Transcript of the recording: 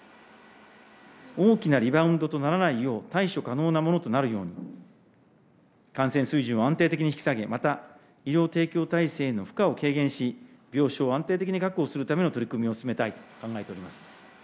大きなリバウンドとならないよう、対処可能なものとなるように、感染水準を安定的に引き下げ、また医療提供体制の負荷を軽減し、病床を安定的に確保するための取り組みを進めたいと考えておりま